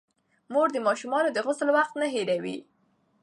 مور د ماشومانو د غسل وخت نه هېروي.